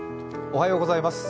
おはようございます。